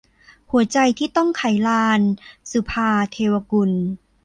หัวใจที่ต้องไขลาน - สุภาว์ เทวกุล